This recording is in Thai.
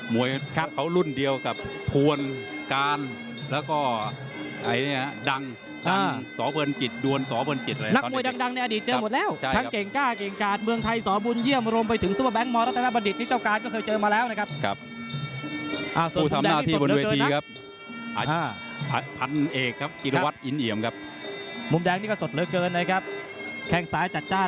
มวยเขารุ่นเดียวกับทวนการแล้วก็ดังสอเบิร์นจิตดวนสอเบิร์นจิต